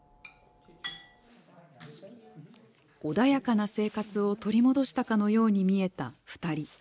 穏やかな生活を、取り戻したかのように見えた二人。